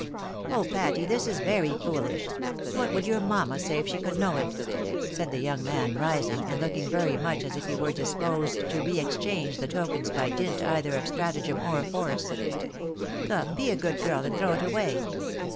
" Oh, Patty, this is very foolish! What would your mamma say if she could know it ?" said the young man, risiog, and p 242 THE WIDOW MAKBIED. looking very much as if he were disposed to re exchange the tokens by dint either of stratagem or force. " Come, be a good girl, and throw it away.